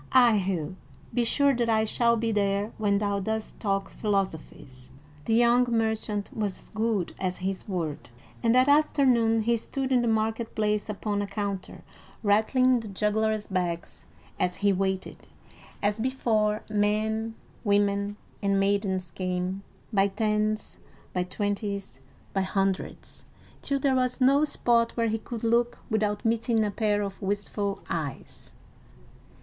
"Ay, Hugh, be sure that I shall be there when thou dost talk philosophies." The young merchant was good as his word, and that afternoon he stood in the market place upon a counter, rattling the juggler's bags as he waited. As before, men, women, and maidens came, by tens, by twenties, by hundreds, till there was no spot where he could look without meeting a pair of wistful eyes.